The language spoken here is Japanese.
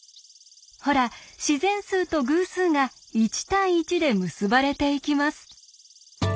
ほら自然数と偶数が１対１で結ばれていきます。